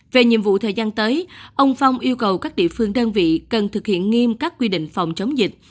về nhiệm vụ thời gian tới ông phong yêu cầu các địa phương đơn vị cần thực hiện nghiêm các quy định phòng chống dịch